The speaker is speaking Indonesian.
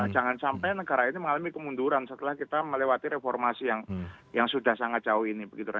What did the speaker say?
jangan sampai negara ini mengalami kemunduran setelah kita melewati reformasi yang sudah sangat jauh ini